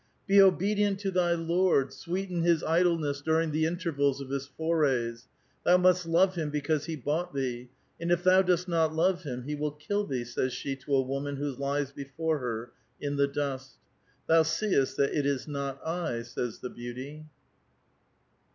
" Be obedient to thy lord ; sweeten his idleness during the intervals of his foravs ; thou must love him because he bought thee ; and if thou dost not love him, he will kill thee," says she to a woman who lies before her in the dust. " Thou seest that it is not I," says the beauty.